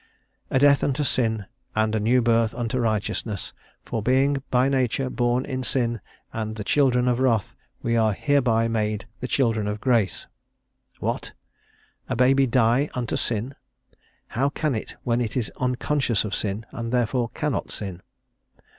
A death unto sin, and a new birth unto righteousness; for being by nature born in sin, and the children of wrath, we are hereby made the children of grace." What? a baby die unto sin? how can it, when it is unconscious of sin, and therefore cannot sin?